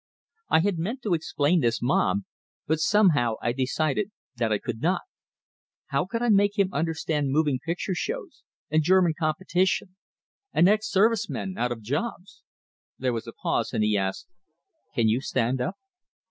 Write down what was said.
I had meant to explain this mob; but somehow, I decided that I could not. How could I make him understand moving picture shows, and German competition, and ex service men out of jobs? There was a pause, and he asked, "Can you stand up?"